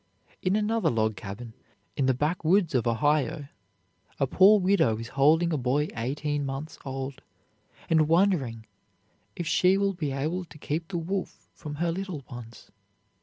In another log cabin, in the backwoods of Ohio, a poor widow is holding a boy eighteen months old, and wondering if she will be able to keep the wolf from her little ones.